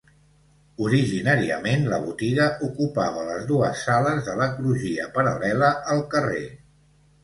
Originàriament la botiga ocupava les dues sales de la crugia paral·lela al carrer.